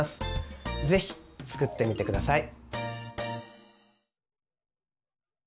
ぜひ作ってみて下さい。